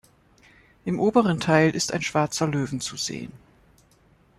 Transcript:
Im oberen Teil ist ein schwarzer Löwen zu sehen.